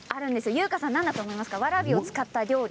優香さん、何だと思いますか。